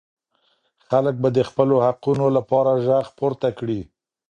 خلګ به د خپلو حقونو لپاره ږغ پورته کړي.